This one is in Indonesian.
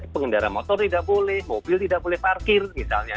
pengendara motor tidak boleh mobil tidak boleh parkir misalnya